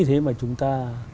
chính vì thế mà chúng ta